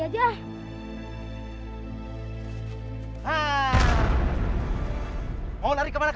ya udah kita naik shane dulu